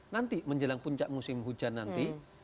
nanti menjelang puncak musim hujan nanti